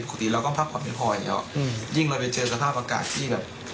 ปกติเราผักผ่อนไม่พอเองพออย่างนี้